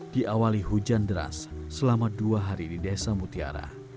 diawali hujan deras selama dua hari di desa mutiara